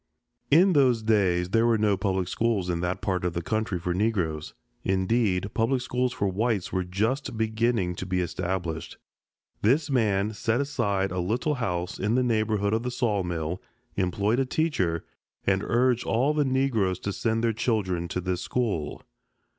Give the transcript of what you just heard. In those days there were no public schools in that part of the country for the Negroes. Indeed, public schools for whites were just beginning to be established. This man set aside a little house in the neighborhood of the sawmill, employed a teacher, and urged all the Negroes to send their children to this school.